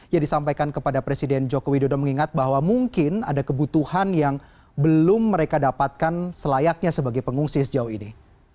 yang disampaikan kepada presiden joko widodo mengingat bahwa mungkin ada kebutuhan yang belum mereka dapatkan selayaknya sebagai pengungsi sejauh ini